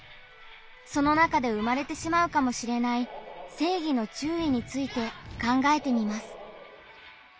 その中で生まれてしまうかもしれない「正義の注意」について考えてみます。